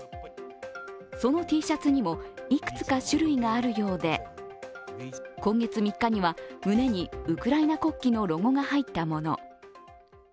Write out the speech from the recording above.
そのＴシャツにもいくつか種類があるようで今月３日には、胸にウクライナ国旗のロゴが入ったもの。